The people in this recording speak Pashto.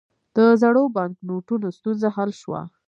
د زړو بانکنوټونو ستونزه حل شوه؟